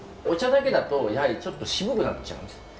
お茶だけだとやはりちょっと渋くなっちゃうんです。